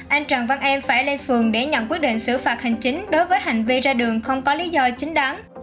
anh trần văn em phải lên phường để nhận quyết định xử phạt hành chính đối với hành vi ra đường không có lý do chính đáng